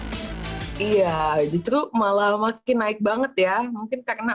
mingguan dan sekarang mencapai delapan puluh hingga seratus iya justru malah makin naik banget ya mungkin karena